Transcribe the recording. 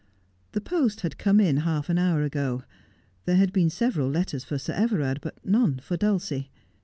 The post had come in half an hour ago. There had been several letters for Sir Everard, but none for Dulcie.